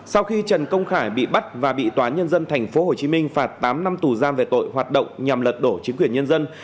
sau khi trần công khải bị bắt và bị tòa nhân dân tp hcm phạt tám năm tù giam về tội hoạt động nhằm lật đổ chính quyền nhân dân